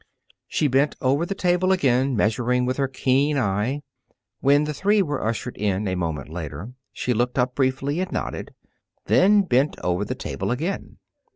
She bent over the table again, measuring with her keen eye. When the three were ushered in a moment later, she looked up briefly and nodded, then bent over the table again.